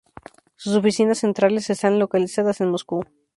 Sus oficinas centrales están localizadas en Moscú.